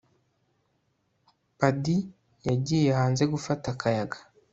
padi yagiye hanze gufata akayaga